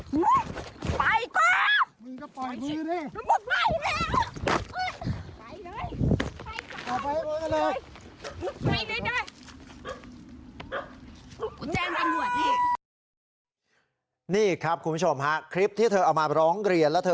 นี่ครับคุณผู้ชมฮะคลิปที่เธอเอามาร้องเรียนแล้วเธอ